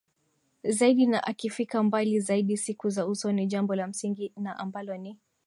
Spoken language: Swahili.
zaidi na akifika mbali zaidi siku za usoni Jambo la msingi na ambalo ni